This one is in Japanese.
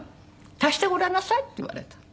「足してごらんなさい」って言われた。